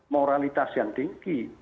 moralitas yang tinggi